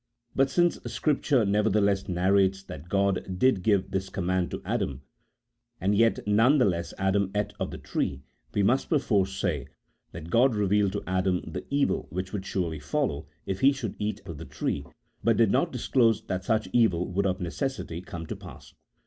But since Scripture never theless narrates that God did give this command to Adam, and yet that none the less Adam ate of the tree, we must perforce say that God revealed to Adam the evil which would surely follow if he should eat of the tree, but did not disclose that such evil would of necessity come to pass.